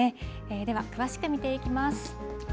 では、詳しく見ていきます。